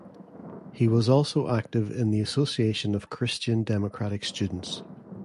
He was also active in the Association of Christian Democratic Students.